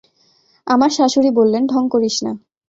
আমার শাশুড়ি বললেন, ঢং করিস না।